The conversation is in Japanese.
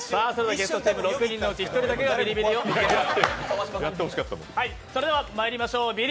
ゲストチーム６人のうち１人だけビリビリです。